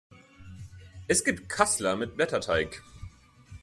Es gibt Kassler mit Blätterteig.